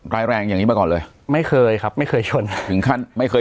ร้ายแรงอย่างนี้มาก่อนเลยไม่เคยครับไม่เคยชนถึงขั้นไม่เคย